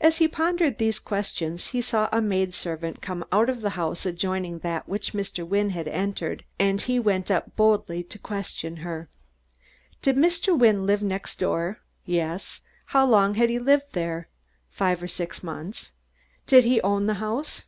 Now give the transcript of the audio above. As he pondered these questions he saw a maid servant come out of a house adjoining that which Mr. Wynne had entered, an he went up boldly to question her. Did a Mr. Wynne live next door? Yes. How long had he lived there? Five or six months. Did he own the house?